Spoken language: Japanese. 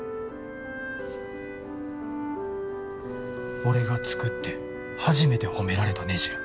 俺が作って初めて褒められたねじや。